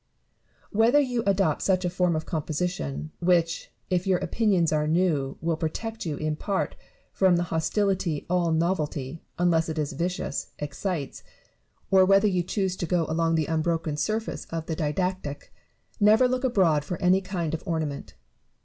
Whether you adopt such a form of composition — which, if your opinions arc new, will protect you in part from the hostility all novelty (unless it is vicious) excites — or whether you choose to go along the BARRO W A ND NE VVTON. 203 unbroken surface of the didactic, never look abroad for any kind of ornament.